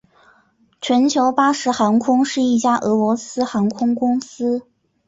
全球巴士航空是一家俄罗斯航空公司。